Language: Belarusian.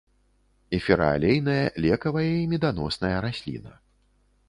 Эфіраалейная, лекавая і меданосная расліна.